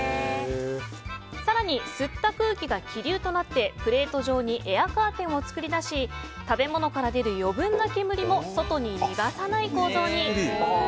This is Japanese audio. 更に吸った空気が気流となってプレート上にエアカーテンを作り出し食べ物から出る余分な煙も外に逃がさない構造に。